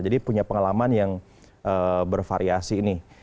jadi punya pengalaman yang bervariasi nih